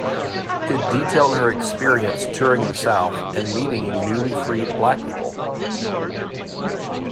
It detailed her experience touring the South and meeting newly freed Black people.